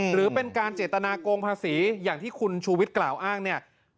หรือเป็นการเจตนาโกงภาษีอย่างที่คุณชูวิทย์กล่าวอ้างเนี่ย